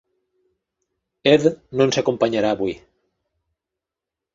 Ed no ens acompanyarà avui.